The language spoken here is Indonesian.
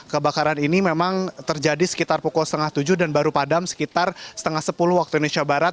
kebakaran ini memang terjadi sekitar pukul setengah tujuh dan baru padam sekitar setengah sepuluh waktu indonesia barat